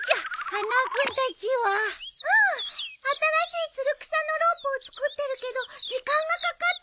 新しいつる草のロープを作ってるけど時間がかかってるみたい。